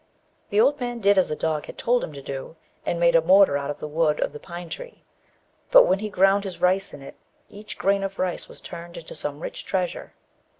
The old man did as the dog had told him to do, and made a mortar out of the wood of the pine tree; but when he ground his rice in it, each grain of rice was turned into some rich treasure.